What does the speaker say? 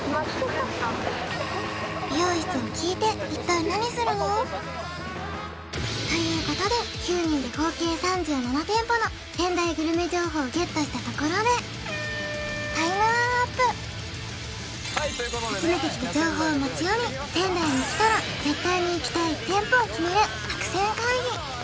いうからということで９人で合計３７店舗の仙台グルメ情報をゲットしたところで集めてきた情報を持ち寄り仙台に来たら絶対に行きたい店舗を決める作戦会議